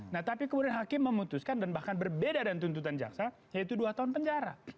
nah tapi kemudian hakim memutuskan dan bahkan berbeda dengan tuntutan jaksa yaitu dua tahun penjara